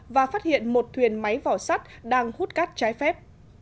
và phát hiện một thuyền máy vỏ sắt đang hút cát trái phép